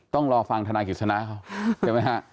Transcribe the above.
ต้องรอฟังทนายกฤษณะเขาเห็นไหมฮะ